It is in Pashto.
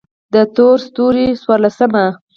د تور ستوري څوارلسمه: